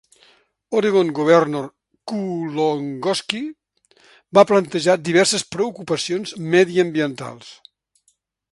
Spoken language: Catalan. Oregon Governor Kulongoski va plantejar diverses preocupacions mediambientals.